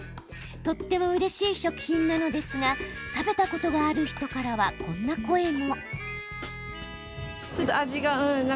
とってもうれしい食品なのですが食べたことがある人からはこんな声も。